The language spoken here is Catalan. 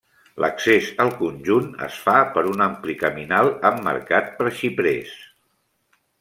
L’accés al conjunt es fa per un ampli caminal emmarcat per xiprers.